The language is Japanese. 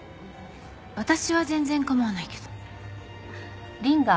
私は全然構わないけど。